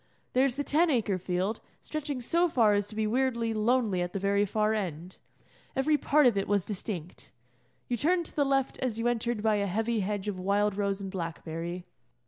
There is the Ten Acre field, stretching so far as to be weirdly lonely at the very far end. Every part of it was distinct. You turned to the left as you entered by a heavy hedge of wild rose and blackberry.